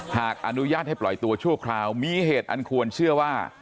หากอนุญาตให้ปล่อยตัวชั่วคราวมีเหตุอันควรเชื่อว่า